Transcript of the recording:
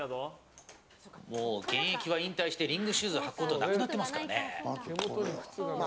もう現役は引退してリングシューズ履くことはなくなっていますからね。